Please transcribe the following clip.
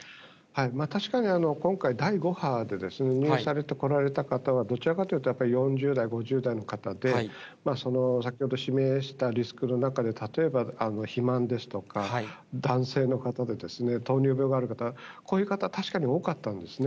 確かに今回、第５波でですね、入院されてこられた方は、どちらかというと４０代、５０代の方で先ほど指名したリスクの中で、例えば肥満ですとか、男性の方でですね、糖尿病があるとか、こういう方は確かに多かったんですね。